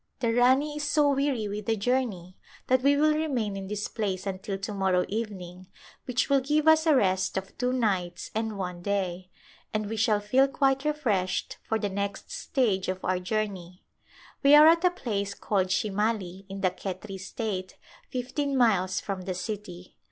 The Rani is so weary with the journey that we will remain in this place until to morrow evening which will give us a rest of two nights and one day, and we shall feel quite refreshed for the next stage of our journey. We are at a place called Shimali in the Khetri state, fifteen miles from the city.